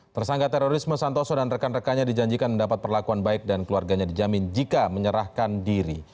tersangka terorisme santoso dan rekan rekannya dijanjikan mendapat perlakuan baik dan keluarganya dijamin jika menyerahkan diri